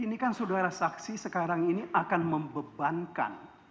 ini kan saudara saksi sekarang ini akan membebankan